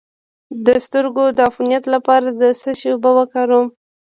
د سترګو د عفونت لپاره د څه شي اوبه وکاروم؟